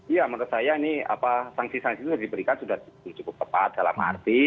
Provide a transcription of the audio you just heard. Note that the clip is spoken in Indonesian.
ya menurut saya ini sanksi sanksi itu diberikan sudah cukup tepat dalam arti